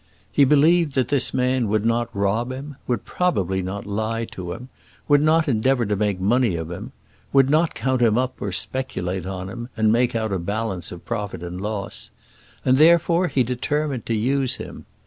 He believed that this man would not rob him; would probably not lie to him; would not endeavour to make money of him; would not count him up or speculate on him, and make out a balance of profit and loss; and, therefore, he determined to use him.